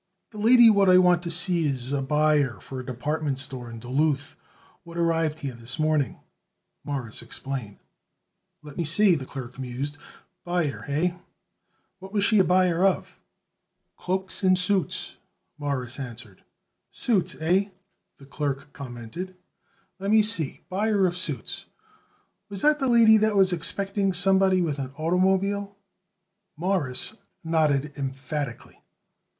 "The lady what I want to see it is buyer for a department store in Duluth, what arrived here this morning," Morris explained. "Let me see," the clerk mused; "buyer, hey? What was she a buyer of?" "Cloaks and suits," Morris answered. "Suits, hey?" the clerk commented. "Let me see buyer of suits. Was that the lady that was expecting somebody with an automobile?" Morris nodded emphatically.